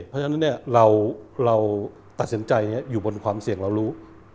เพราะฉะนั้นเราตัดสินใจอยู่บนความเสี่ยงเรารู้